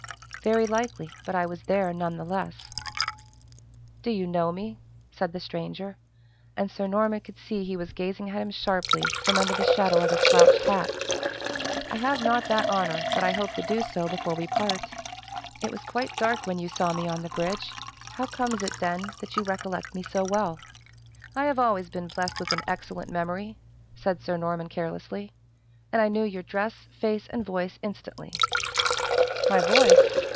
"Very likely, but I was there none the less." "Do you know me?" said the stranger; and Sir Norman could see he was gazing at him sharply from under the shadow of his slouched hat. "I have not that honor, but I hope to do so before we part." "It was quite dark when you saw me on the bridge how comes it, then, that you recollect me so well?" "I have always been blessed with an excellent memory," said Sir Norman carelessly, "and I knew your dress, face, and voice instantly." "My voice!